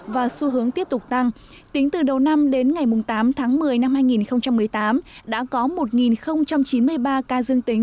và xu hướng tiếp tục tăng tính từ đầu năm đến ngày tám tháng một mươi năm hai nghìn một mươi tám đã có một chín mươi ba ca dương tính